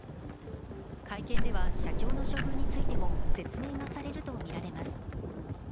会見では社長の処遇についても説明がされるとみられます。